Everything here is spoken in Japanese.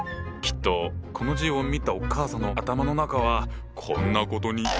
きっとこの字を見たお母さんの頭の中はこんなことに。